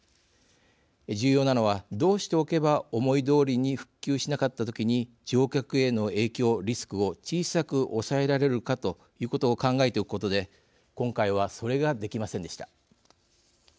重要なのはどうしておけば思いどおりに復旧しなかった時に乗客への影響、リスクを小さく抑えられるかということを考えておくことで今回はそれができませんでした。